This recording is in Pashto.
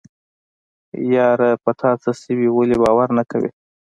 يره په تاڅه شوي ولې باور نه کوې.